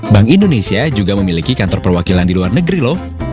bank indonesia juga memiliki kantor perwakilan di luar negeri loh